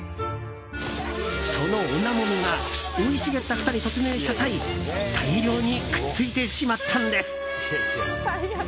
そのオナモミが生い茂った草に突入した際大量にくっついてしまったんです。